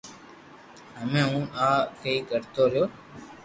ھمي اون آ اي ڪرتو ريو